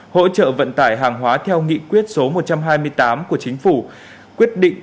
hỗ trợ vận tải hàng hóa theo nghị quyết số một trăm hai mươi tám của chính phủ